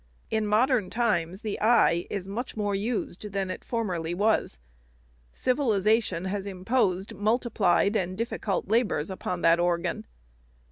In modern times the eye is much more used than it formerly was. Civilization has imposed multiplied and difficult labors upon that organ.